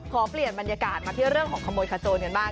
ขอเปลี่ยนบรรยากาศมาที่เรื่องของขโมยขโจนกันบ้าง